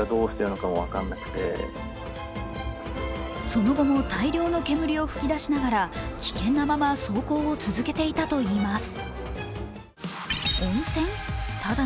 その後も大量の煙を吹き出しながら危険なまま走行を続けていたといいます。